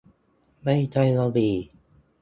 ไม่ใช่วลี